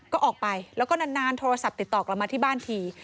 ก็ออกไปแล้วก็นานโทรศัพท์ติดต่อกลับมาที่บ้านที